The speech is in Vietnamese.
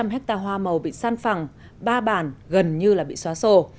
sáu trăm linh hectare hoa màu bị san phẳng ba bản gần như bị xóa sổ